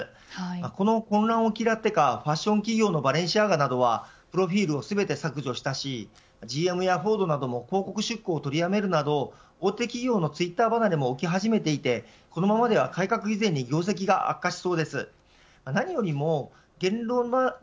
この混乱を嫌ってかファッション企業のバレンシアガなどはプロフィールを全て削除したしＧＭやフォードも広告出稿を取りやめるなど大手企業のツイッター離れも起き始めていてこのままでは改革以前に業績が悪化しそうです。